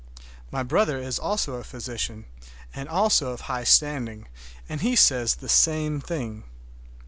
My brother is also a physician, and also of high standing, and he says the same thing.